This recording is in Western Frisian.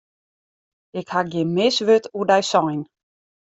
Ik haw gjin mis wurd oer dy sein.